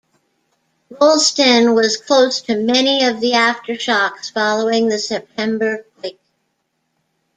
Rolleston was close to many of the aftershocks following the September quake.